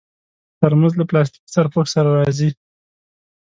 ترموز له پلاستيکي سرپوښ سره راځي.